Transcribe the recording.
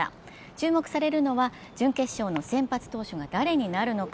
注目されるのは、準決勝の先発投手が誰になるのか。